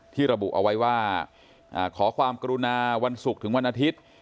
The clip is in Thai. ระบุเอาไว้ว่าขอความกรุณาวันศุกร์ถึงวันอาทิตย์